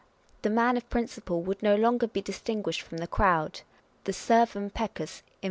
The man of principle would no longer be distinguished from the crowd, the 0~* ~~~*.